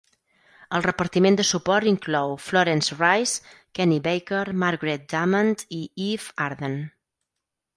El repartiment de suport inclou Florence Rice, Kenny Baker, Margaret Dumont i Eve Arden.